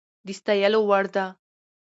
د ستايلو وړ ده